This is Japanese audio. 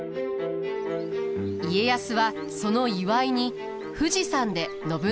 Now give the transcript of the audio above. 家康はその祝いに富士山で信長をもてなします。